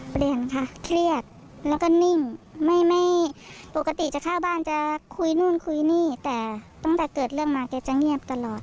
เปลี่ยนค่ะเครียดแล้วก็นิ่งไม่ไม่ปกติจะเข้าบ้านจะคุยนู่นคุยนี่แต่ตั้งแต่เกิดเรื่องมาแกจะเงียบตลอด